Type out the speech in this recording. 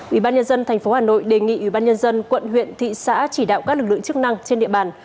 ủy ban nhân dân tp hà nội đề nghị ủy ban nhân dân quận huyện thị xã chỉ đạo các lực lượng chức năng trên địa bàn